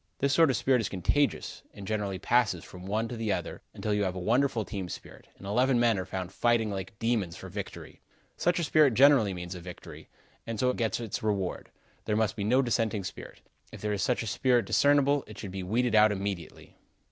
This sort of spirit is contagious, and generally passes from one to the other, until you have a wonderful team spirit, and eleven men are found fighting like demons for victory. Such a spirit generally means a victory, and so gets its reward. There must be no dissenting spirit. If there is such a spirit discernible, it should be weeded out immediately.